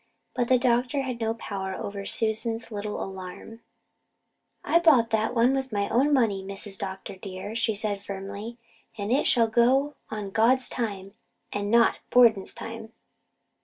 But the doctor had no power over Susan's little alarm. "I bought that with my own money, Mrs. Dr. dear," she said firmly, "and it shall go on God's time and not Borden's time."